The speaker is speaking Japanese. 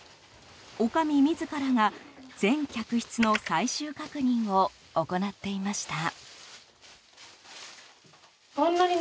女将自らが、全客室の最終確認を行っていました。